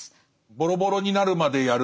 ボロボロになるまでやる。